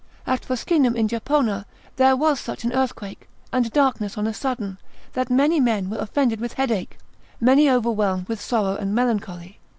At Fuscinum in Japona there was such an earthquake, and darkness on a sudden, that many men were offended with headache, many overwhelmed with sorrow and melancholy.